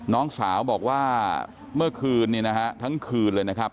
น้องสาวบอกว่าเมื่อคืนนี้นะฮะทั้งคืนเลยนะครับ